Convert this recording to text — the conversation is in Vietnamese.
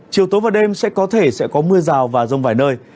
chiều tối và đêm sẽ có thể sẽ có mưa rào và rông vài nơi